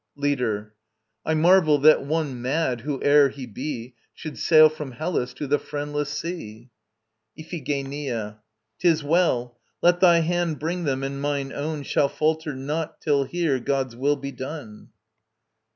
LEADER. I marvel that one mad, whoe'er he be, Should sail from Hellas to the Friendless Sea. IPHIGENIA. 'Tis well. Let thy hand bring them, and mine own Shall falter not till here God's will be done.